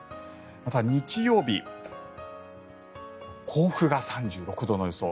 また、日曜日甲府が３６度の予想。